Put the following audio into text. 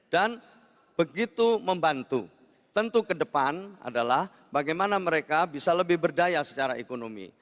dan begitu membantu tentu ke depan adalah bagaimana mereka bisa lebih berdaya secara ekonomi